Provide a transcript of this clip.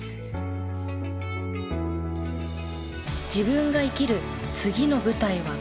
自分が生きる次の舞台はどこなのか。